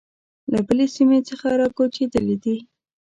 له بلې سیمې څخه را کوچېدلي دي.